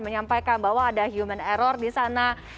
menyampaikan bahwa ada human error disana